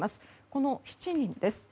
この７人です。